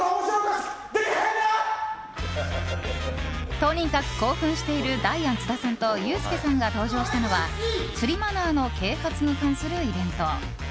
とにかく興奮しているダイアン・津田さんとユースケさんが登場したのは釣りマナーの啓発に関するイベント。